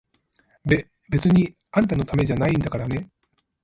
べ、別にあんたのためじゃないんだからね！